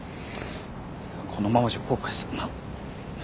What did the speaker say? このままじゃ後悔するな。